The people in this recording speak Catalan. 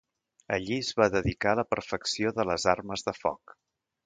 Allí es va dedicar a la perfecció de les armes de foc.